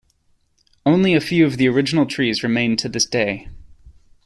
Only a few of the original trees remain to this day.